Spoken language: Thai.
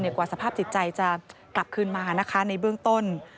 กว่าสภาพจิตใจจะกลับคืนมานะคะในเบื้องต้น